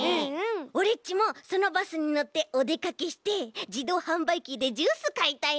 オレっちもそのバスにのっておでかけしてじどうはんばいきでジュースかいたいな。